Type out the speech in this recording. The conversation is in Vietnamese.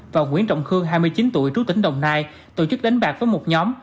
và nguyễn trọng khương hai mươi chín tuổi trú tỉnh đồng nai tổ chức đánh bạc với một nhóm